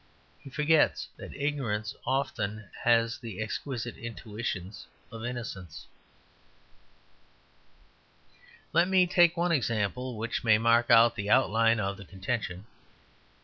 He forgets that ignorance often has the exquisite intuitions of innocence. Let me take one example which may mark out the outline of the contention.